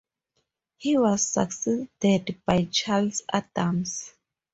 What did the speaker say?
He was succeeded by Charles Adams.